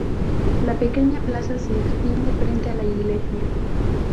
La pequeña plaza se extiende frente a la iglesia.